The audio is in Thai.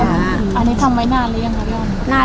ภาษาสนิทยาลัยสุดท้าย